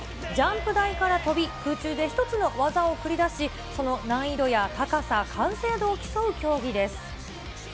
ジャンプ台から飛び、空中で１つの技を繰り出し、その難易度や高さ、完成度を競う競技です。